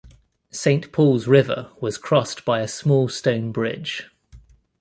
Saint Paul's river was crossed by a small stone bridge.